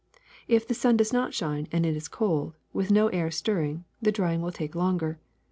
^'If the sun does not shine and it is cold, with no air stirring, the drying will take longer.